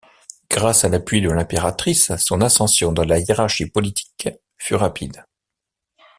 Grâce à l'appui de l'impératrice, son ascension dans la hiérarchie politique fut rapide.